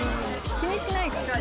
気にしないから。